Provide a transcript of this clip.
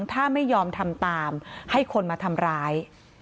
ถ้าไม่ยอมทำตามให้คนมาทำร้าย